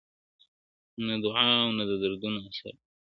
• نه دعا او نه درودونو اثر وکړ -